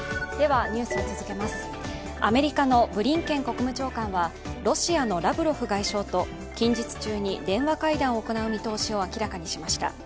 アメリカのブリンケン国務長官はロシアのラブロフ外相と近日中に電話会談を行う見通しを明らかにしました。